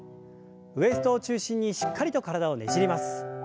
ウエストを中心にしっかりと体をねじります。